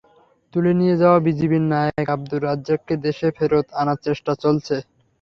তুলে নিয়ে যাওয়া বিজিবির নায়েক আব্দুর রাজ্জাককে দেশে ফেরত আনার চেষ্টা চলছে।